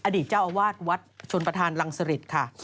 อดีตเจ้าอาวาสวัดชนประธานรังสริตค่ะ